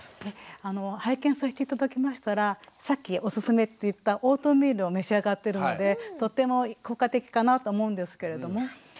拝見させて頂きましたらさっきおすすめって言ったオートミールを召し上がっているのでとても効果的かなと思うんですけれども。